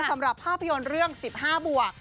สำหรับภาพยนตร์เรื่อง๑๕บวก